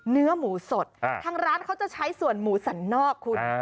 เนื้อหมูสดทางร้านเขาจะใช้ส่วนหมูสันนอกคุณ